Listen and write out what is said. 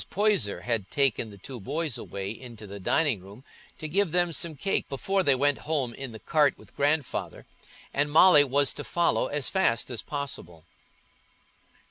Poyser had taken the two boys away into the dining room to give them some cake before they went home in the cart with Grandfather and Molly was to follow as fast as possible.